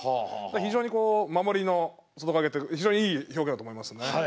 非常に守りの外掛けって非常にいい表現だと思いますね。